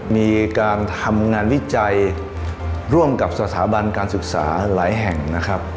มีการทำงานวิจัยร่วมกับสถาบันการศึกษาหลายแห่งนะครับ